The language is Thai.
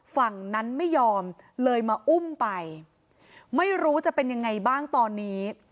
ฝั่งนั้นไม่ยอมเลยมาอุ้มไปไม่รู้จะเป็นยังไงบ้างตอนนี้